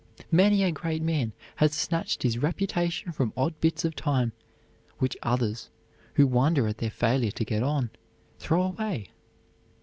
Many a great man has snatched his reputation from odd bits of time which others, who wonder at their failure to get on, throw away.